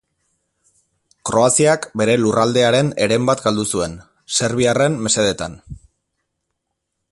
Kroaziak bere lurraldearen heren bat galdu zuen, serbiarren mesedetan.